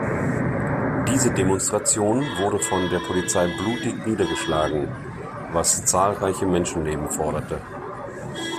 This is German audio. Diese Demonstration wurde von der Polizei blutig niedergeschlagen, was zahlreiche Menschenleben forderte.